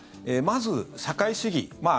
まず、社会主義。